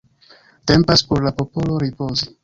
Tempas por la popolo ripozi.